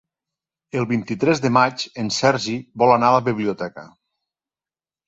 El vint-i-tres de maig en Sergi vol anar a la biblioteca.